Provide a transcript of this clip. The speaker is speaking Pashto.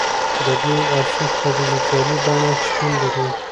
د دې ارشیف په ډیجیټلي بڼه شتون لري.